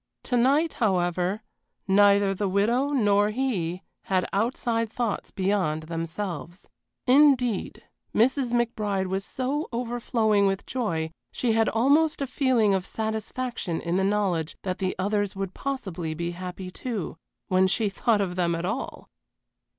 To night, however, neither the widow nor he had outside thoughts beyond themselves. Indeed, Mrs. McBride was so overflowing with joy she had almost a feeling of satisfaction in the knowledge that the others would possibly be happy too when she thought of them at all!